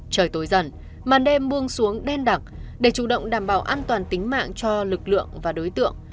trời tối dần màn đêm buông xuống đen đặc để chủ động đảm bảo an toàn tính mạng cho lực lượng và đối tượng